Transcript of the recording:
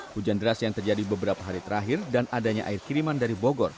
hujan deras yang terjadi beberapa hari terakhir dan adanya air kiriman dari bogor